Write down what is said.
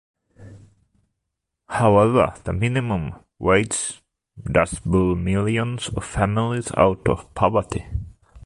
However the minimum wage does pull millions of families out of poverty.